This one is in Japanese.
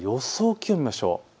気温を見ましょう。